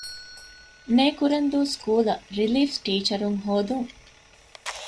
ނޭކުރެންދޫ ސްކޫލަށް ރިލީފް ޓީޗަރުން ހޯދުން